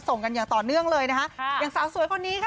กันอย่างต่อเนื่องเลยนะคะอย่างสาวสวยคนนี้ค่ะ